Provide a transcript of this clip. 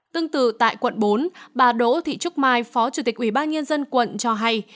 tương tự tại quận bốn bà đỗ thị trúc mai phó chủ tịch ủy ban nhân dân quận cho hay